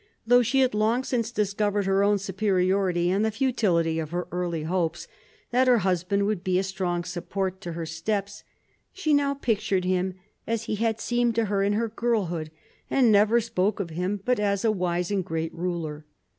Though she had long since discovered her own superiority and the futility of her early hope that her husband would be a strong support to her steps, she now pictured him as he had seemed to her in her girlhood, and never spoke of him but as a wise and great ruler.